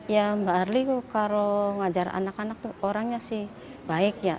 ya mbak arli kalau ngajar anak anak orangnya sih baik ya